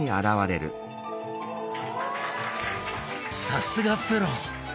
さすがプロ！